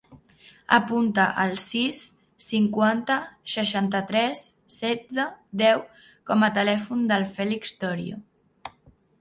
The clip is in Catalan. Apunta el sis, cinquanta, seixanta-tres, setze, deu com a telèfon del Fèlix Torio.